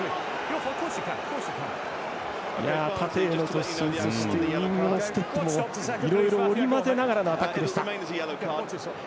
縦への突進そしてウイングのステップもいろいろ織り交ぜながらのアタックでした。